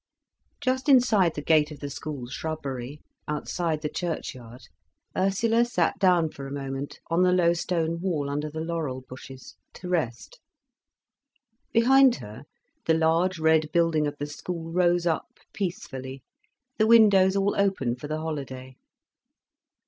Just inside the gate of the school shrubbery, outside the churchyard, Ursula sat down for a moment on the low stone wall under the laurel bushes, to rest. Behind her, the large red building of the school rose up peacefully, the windows all open for the holiday.